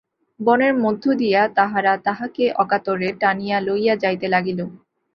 বনের মধ্য দিয়া তাহারা তাঁহাকে অকাতরে টানিয়া লইয়া যাইতে লাগিল।